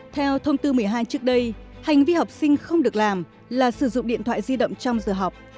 theo thông tư một mươi hai trước đây hành vi học sinh không được làm là sử dụng điện thoại di động trong giờ học